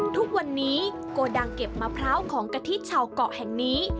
ทุกวันนี้โกดังเก็บมะพร้าวของกะทิชาวเกาะแห่งนี้